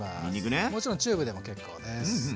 もちろんチューブでも結構です。